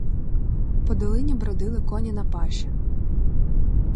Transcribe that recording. По долині бродили коні на паші.